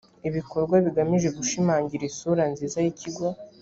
ibikorwa bigamije gushimangira isura nziza y’ikigo